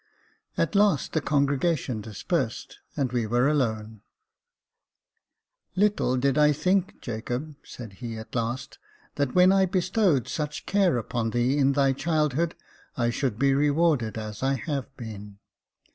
At last the congregation dispersed, and we were alone. " Little did I think, Jacob," said he, at last, " that when I bestowed such care upon thee in thy childhood I should be rewarded as I have been